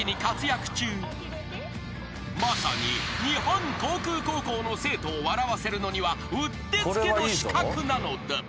［まさに日本航空高校の生徒を笑わせるのにはうってつけの刺客なのだ］